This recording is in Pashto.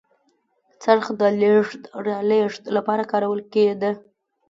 څرخ د لېږد رالېږد لپاره کارول کېده.